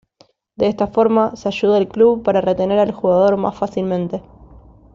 De esta forma, se ayuda al club para retener al jugador más fácilmente.